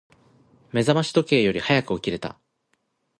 目覚まし時計より早く起きれた。